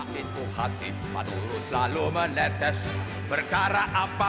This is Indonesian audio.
ketika di kota kota